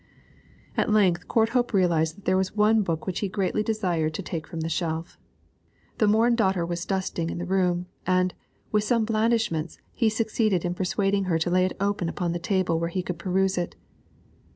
At length Courthope realised that there was one book which he greatly desired to take from the shelf. The Morin daughter was dusting in the room, and, with some blandishments, he succeeded in persuading her to lay it open upon the table where he could peruse it.